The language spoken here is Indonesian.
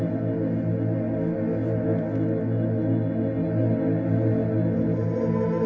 tidak ada yang bisa dikira